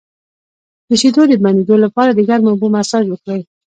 د شیدو د بندیدو لپاره د ګرمو اوبو مساج وکړئ